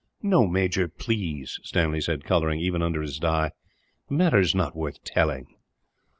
"No, major, please," Stanley said colouring, even under his dye. "The matter is not worth telling."